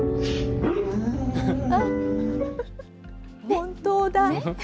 本当だ。